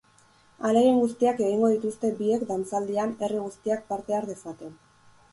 Ahalegin guztiak egingo dituzte biek dantzaldian herri guztiak parte har dezan.